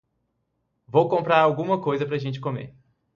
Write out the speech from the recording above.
Vou comprar alguma coisa para gente comer.